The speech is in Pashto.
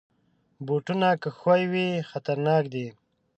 بوټونه که ښوی وي، خطرناک دي.